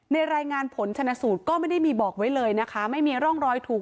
รายงานผลชนะสูตรก็ไม่ได้มีบอกไว้เลยนะคะไม่มีร่องรอยถูก